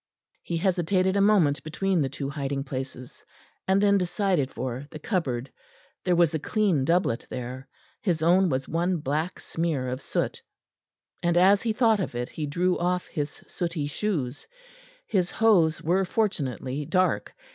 He hesitated a moment between the two hiding places, and then decided for the cupboard; there was a clean doublet there; his own was one black smear of soot, and as he thought of it, he drew off his sooty shoes. His hose were fortunately dark.